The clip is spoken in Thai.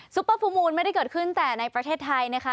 เปอร์ฟูมูลไม่ได้เกิดขึ้นแต่ในประเทศไทยนะคะ